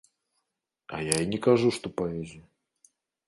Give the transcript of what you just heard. А я і не кажу, што паэзія.